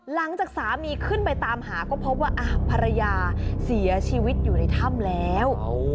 หลังจากสามีขึ้นไปตามหาก็พบว่าภรรยาเสียชีวิตอยู่ในถ้ำแล้ว